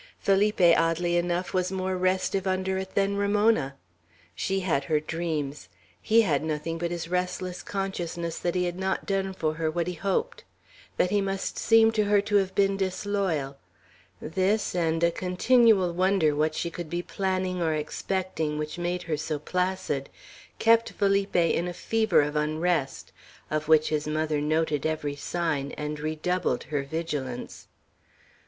Felipe, oddly enough, was more restive under it than Ramona. She had her dreams. He had nothing but his restless consciousness that he had not done for her what he hoped; that he must seem to her to have been disloyal; this, and a continual wonder what she could be planning or expecting which made her so placid, kept Felipe in a fever of unrest, of which his mother noted every sign, and redoubled her vigilance.